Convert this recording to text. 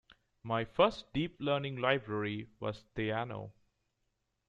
My first Deep Learning library was Theano.